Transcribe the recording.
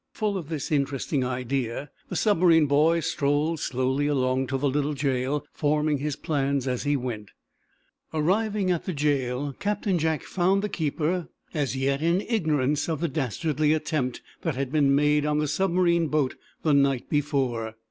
Full of this interesting idea, the submarine boy strolled slowly along to the little jail, forming his plans as he went. Arrived at the jail, Captain Jack found the keeper, as yet, in ignorance of the dastardly attempt that had been made on the submarine boat the night before.